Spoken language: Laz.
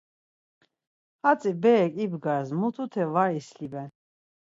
Hatzi berek ibgars, mutute var isliben.